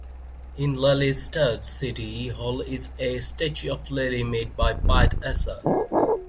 In Lelystad's city hall is a statue of Lely made by Piet Esser.